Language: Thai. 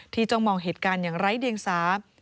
จ้องมองเหตุการณ์อย่างไร้เดียงสา